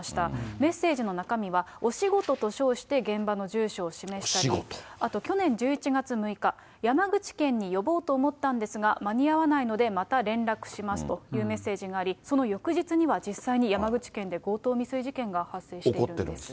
メッセージの中身は、お仕事と称して、現場の住所を示したり、あと去年１１月６日、山口県に呼ぼうと思ったんですが、間に合わないので、また連絡しますというメッセージがあり、その翌日には、実際に山口県で強盗未遂事件が発生しているんです。